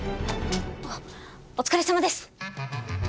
あっお疲れさまです。